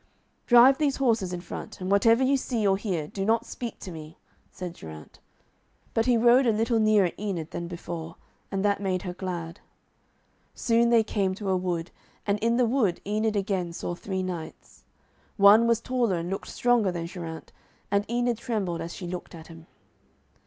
'Drive these horses in front, and whatever you see or hear, do not speak to me,' said Geraint. But he rode a little nearer Enid than before, and that made her glad. Soon they came to a wood, and in the wood Enid again saw three knights. One was taller and looked stronger than Geraint, and Enid trembled as she looked at him.